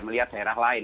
melihat daerah lain